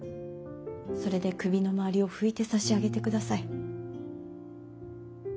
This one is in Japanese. それで首の周りを拭いてさしあげてください。